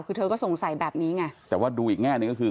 คือเธอก็สงสัยแบบนี้ไงแต่ว่าดูอีกแง่หนึ่งก็คือ